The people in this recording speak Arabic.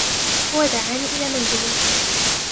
هو دعاني إلى منزله.